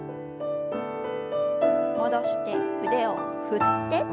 戻して腕を振って。